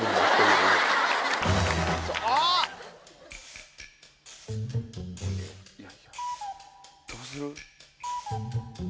どうする？